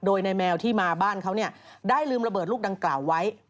โดยนายแมวที่มาบ้านเขาได้ลืมระเบิดลูกดังกล่าวไว้